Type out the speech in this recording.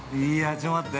◆ちょっと待って。